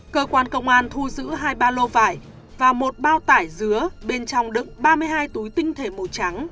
cơ quan công an thu giữ hai ba lô vải và một bao tải dứa bên trong đựng ba mươi hai túi tinh thể màu trắng